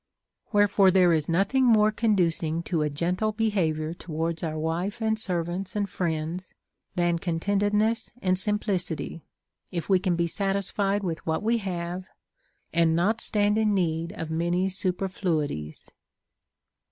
AVherefore there is nothing more conducing to a gentle behavior towards our wife and servants and friends than contentedness and sim plicity, if Ave can be satisfied with what we have, and not stand in need of many superfluities.